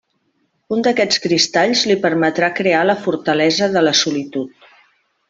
Un d'aquests cristalls li permetrà crear la Fortalesa de la Solitud.